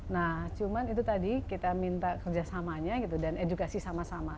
nah cuman itu tadi kita minta kerjasamanya gitu dan edukasi sama sama